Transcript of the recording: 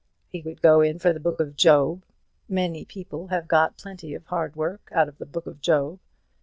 He would go in for the Book of Job. Many people have got plenty of hard work out of the Book of Job.